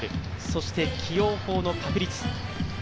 そして起用法の確立。